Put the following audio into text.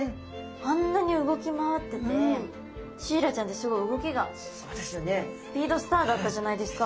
あんなに動き回っててシイラちゃんってすごい動きがスピードスターだったじゃないですか。